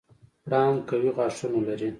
پړانګ قوي غاښونه لري.